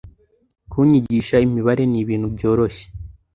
kunyigisha imibare ni ibintu byoroshye